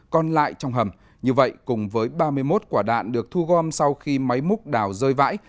còn lại trong hầm như vậy cùng với ba mươi một quả đạn được thu gom sau khi máy múc đào rơi vãi